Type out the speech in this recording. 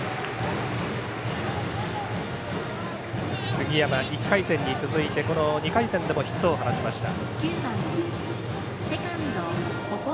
杉山、１回戦に続いて２回戦でもヒットを放ちました。